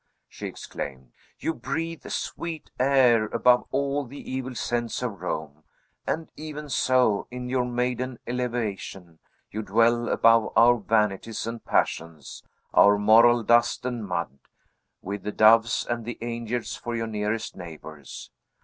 she, exclaimed. "You breathe sweet air, above all the evil scents of Rome; and even so, in your maiden elevation, you dwell above our vanities and passions, our moral dust and mud, with the doves and the angels for your nearest neighbors.